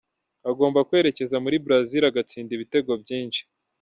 Agomba kwerekeza muri Brazil agatsinda ibitego byinshi.